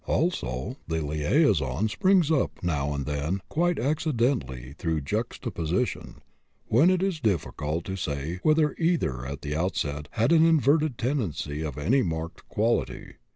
] Also, the liaison springs up now and then quite accidentally through juxtaposition, when it is difficult to say whether either at the outset had an inverted tendency of any marked quality.